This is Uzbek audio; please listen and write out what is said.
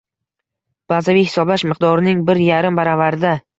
Bazaviy hisoblash miqdorining bir yarim baravarida